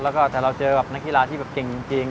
แล้วก็แต่เราเจอกับนักกีฬาที่แบบเก่งจริง